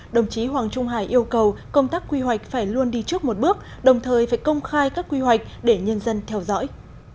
đồng chí hoàng trung hải yêu cầu công tác quy hoạch phải luôn đi trước một bước đồng thời phải công khai các quy hoạch để nhân dân theo dõi